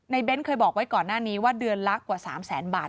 เบ้นเคยบอกไว้ก่อนหน้านี้ว่าเดือนละกว่า๓แสนบาท